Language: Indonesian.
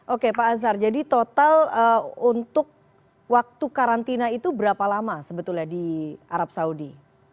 oke pak azhar jadi total untuk waktu karantina itu berapa lama sebetulnya di arab saudi